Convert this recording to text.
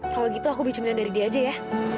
kalau gitu aku beli cemilan dari dia aja ya